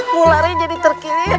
mulanya jadi terkilir